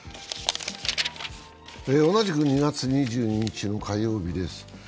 同じく２月２２日の火曜日です